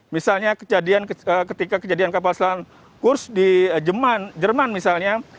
misalnya ketika kejadian kapal selam kurs di jerman misalnya